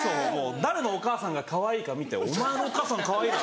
誰のお母さんがかわいいか見て「お前のお母さんかわいいな」。